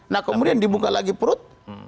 nah kemudian dibuka lagi perut